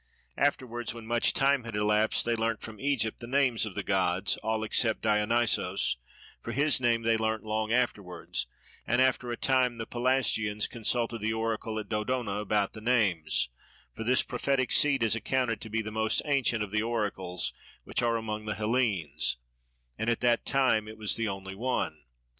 Afterwards when much time had elapsed, they learnt from Egypt the names of the gods, all except Dionysos, for his name they learnt long afterwards; and after a time the Pelasgians consulted the Oracle at Dodona about the names, for this prophetic seat is accounted to be the most ancient of the Oracles which are among the Hellenes, and at that time it was the only one.